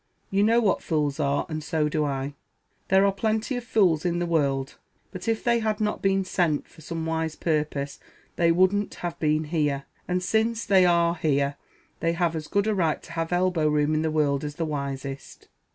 You know what fools are, and so do I. There are plenty of fools in the world; but if they had not been sent for some wise purpose they wouldn't have been here; and since they are here they have as good a right to have elbow room in the world as the wisest.